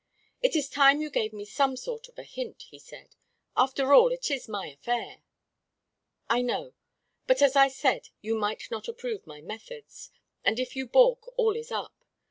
"It is time you gave me some sort of a hint," he said. "After all, it is my affair " "I know, but as I said, you might not approve my methods, and if you balk, all is up.